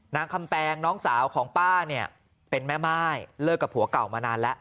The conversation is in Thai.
คำแปงน้องสาวของป้าเนี่ยเป็นแม่ม่ายเลิกกับผัวเก่ามานานแล้ว